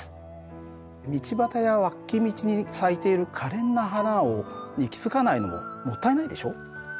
道端や脇道に咲いているかれんな花に気付かないのももったいないでしょ？